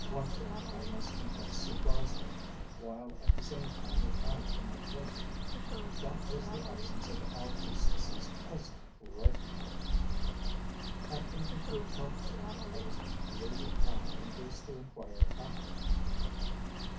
One thing, I must confess, surprised me, while at the same time it added to my pleasure. That was the absence of our hostess's cousin, Reiffenburg. Unable to account for it, I was later on induced to enquire after him.